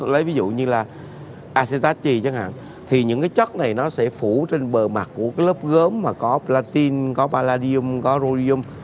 lấy ví dụ như là acetate chẳng hạn thì những cái chất này nó sẽ phủ trên bờ mặt của cái lớp gớm mà có platin có palladium có rhodium